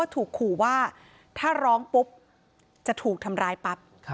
ถูกขู่ว่าถ้าร้องปุ๊บจะถูกทำร้ายปั๊บ